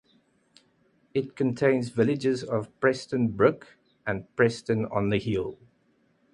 It contains the villages of Preston Brook and Preston on the Hill.